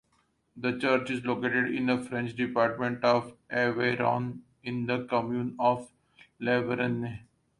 The church is located in the French department of Aveyron, in the commune of Lavernhe.